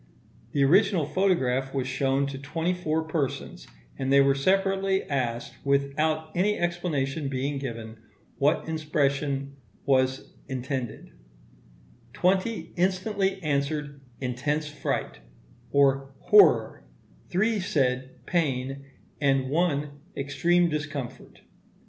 The original photograph was shown to twenty four persons, and they were separately asked, without any explanation being given, what expression was intended: twenty instantly answered, "intense fright" or "horror"; three said pain, and one extreme discomfort.